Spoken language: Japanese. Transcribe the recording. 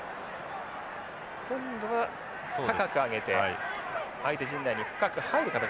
今度は高く上げて相手陣内に深く入る形でした。